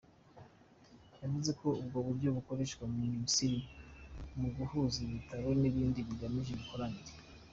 Yavuze ko ubwo buryo bukoreshwa mu Misiri mu guhuza ibitaro n’ibindi hagamijwe imikoranire.